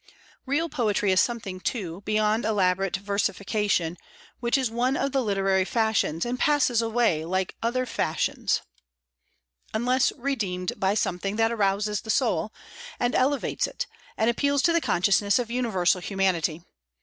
Real poetry is something, too, beyond elaborate versification, which is one of the literary fashions, and passes away like other fashions unless redeemed by something that arouses the soul, and elevates it, and appeals to the consciousness of universal humanity.